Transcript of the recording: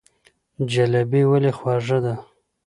جلبي ولې خوږه ده؟